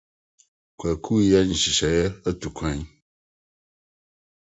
Kwaku reyɛ nhyehyɛe atu kwan.